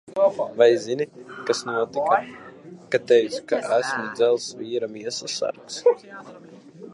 Vai zini, kas notika, kad teicu, kas esmu Dzelzs vīra miesassargs?